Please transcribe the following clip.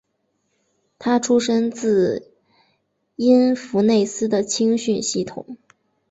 他出身自因弗内斯的青训系统。